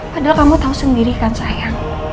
padahal kamu tahu sendiri kan saya